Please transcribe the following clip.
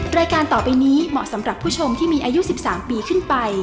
รายการต่อไปนี้เหมาะสำหรับผู้ชมที่มีอายุ๑๓ปีขึ้นไป